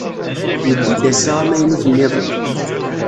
Yewwi-d ass-a amaynut-nniḍen.